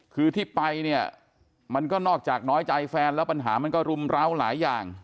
คือที่ไปเนี่ยมันก็นอกจากน้อยใจแฟนแล้วปัญหามันก็รุมร้าวหลายอย่าง